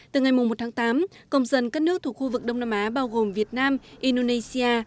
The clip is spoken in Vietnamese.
từ ngày một tháng tám công dân các nước thuộc khu vực đông nam á bao gồm việt nam indonesia